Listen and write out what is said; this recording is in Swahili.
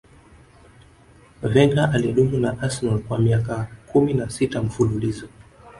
wenger alidumu na arsenal kwa miaka kumi na sita mfululizo